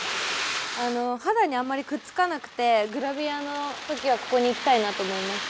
あの肌にあんまりくっつかなくてグラビアの時はここに行きたいなと思いました。